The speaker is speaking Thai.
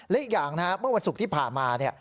และอีกอย่างนะครับเมื่อวันศุกร์ที่ผ่านมาเนี่ย